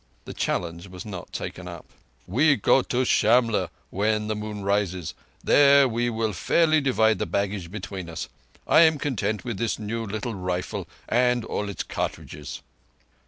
The challenge was not taken up. "We go to Shamlegh when the moon rises. There we will fairly divide the baggage between us. I am content with this new little rifle and all its cartridges."